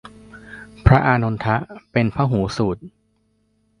พระอานนทะ ผู้เป็นพหูสูต